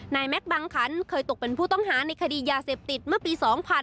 แม็กซบังขันเคยตกเป็นผู้ต้องหาในคดียาเสพติดเมื่อปี๒๕๕๙